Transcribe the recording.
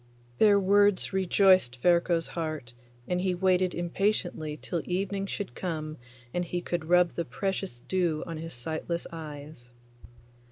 Their words rejoiced Ferko's heart, and he waited impatiently till evening should come and he could rub the precious dew on his sightless eyes.